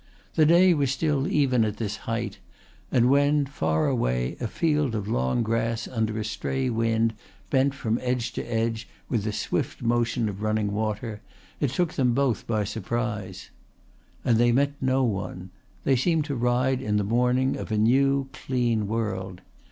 The day was still even at this height; and when, far away, a field of long grass under a stray wind bent from edge to edge with the swift motion of running water, it took them both by surprise. And they met no one. They seemed to ride in the morning of a new clean world.